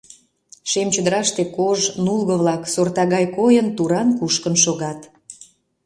Шем чодыраште кож, нулго-влак, сорта гай койын, туран кушкын шогат.